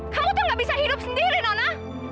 kamu tuh gak bisa hidup sendiri nono